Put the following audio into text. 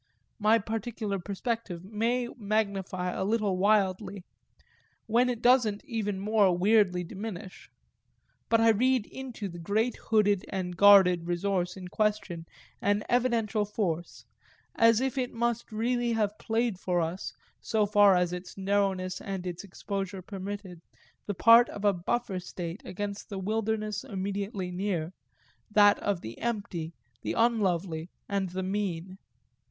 My particular perspective may magnify a little wildly when it doesn't even more weirdly diminish; but I read into the great hooded and guarded resource in question an evidential force: as if it must really have played for us, so far as its narrowness and its exposure permitted, the part of a buffer state against the wilderness immediately near, that of the empty, the unlovely and the mean.